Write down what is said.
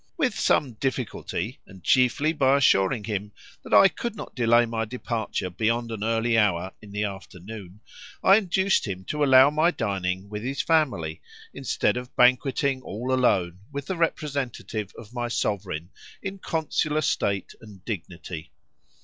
With some difficulty, and chiefly by assuring him that I could not delay my departure beyond an early hour in the afternoon, I induced him to allow my dining with his family instead of banqueting all alone with the representative of my sovereign in consular state and dignity.